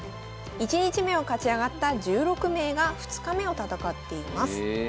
１日目を勝ち上がった１６名が２日目を戦っています。